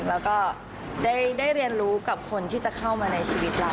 แล้วก็ได้เรียนรู้กับคนที่จะเข้ามาในชีวิตเรา